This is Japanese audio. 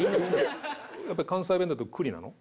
やっぱり関西弁だと栗なの？